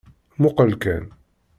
Muqel kan.